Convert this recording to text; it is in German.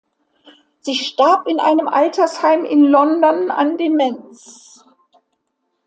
Sie starb in einem Altersheim in London an Demenz.